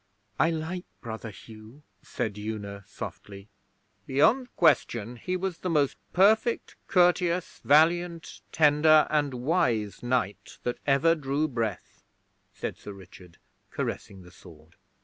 'I like Brother Hugh,' said Una, softly. 'Beyond question he was the most perfect, courteous, valiant, tender, and wise knight that ever drew breath,' said Sir Richard, caressing the sword.